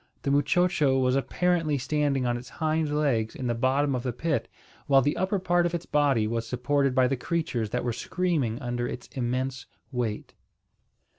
The muchocho was apparently standing on its hind legs in the bottom of the pit, while the upper part of its body was supported by the creatures that were screaming under its immense weight.